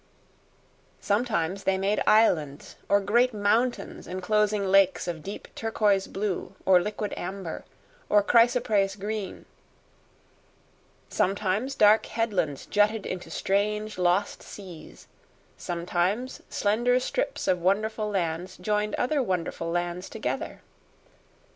Sometimes they made islands or great mountains enclosing lakes of deep turquoise blue, or liquid amber, or chrysoprase green; sometimes dark headlands jutted into strange, lost seas; sometimes slender strips of wonderful lands joined other wonderful lands together.